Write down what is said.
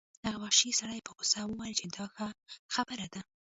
هغه وحشي سړي په غوسه وویل چې دا ښه خبره ده